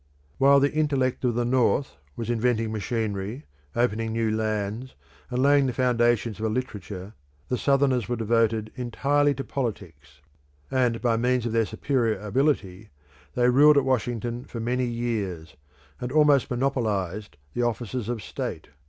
While the intellect of the North was inventing machinery, opening new lands, and laying the foundations of a literature, the Southerners were devoted entirely to politics; and by means of their superior ability they ruled at Washington for many years, and almost monopolised the offices of state.